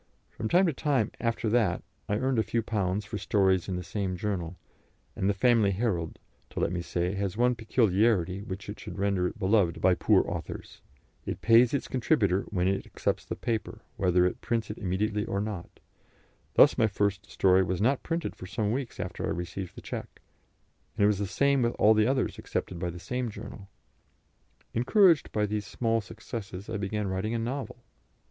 From time to time after that I earned a few pounds for stories in the same journal; and the Family Herald, let me say, has one peculiarity which should render it beloved by poor authors; it pays its contributor when it accepts the paper, whether it prints it immediately or not; thus my first story was not printed for some weeks after I received the cheque, and it was the same with all the others accepted by the same journal. Encouraged by these small successes, I began writing a novel!